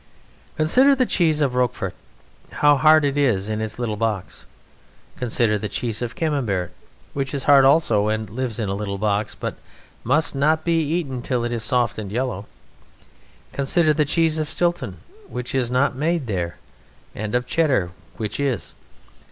Consider the cheese of Rocquefort: how hard it is in its little box. Consider the cheese of Camembert, which is hard also, and also lives in a little box, but must not be eaten until it is soft and yellow. Consider the cheese of Stilton, which is not made there, and of Cheddar, which is.